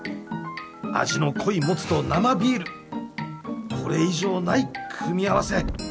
味の濃いもつと生ビールこれ以上ない組み合わせ